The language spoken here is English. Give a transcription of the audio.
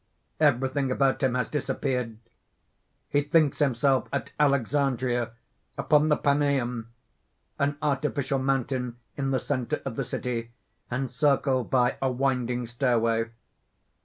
_ Everything about him has disappeared. _He thinks himself at Alexandria, upon the Paneum an artificial mountain in the centre of the city, encircled by a winding stairway.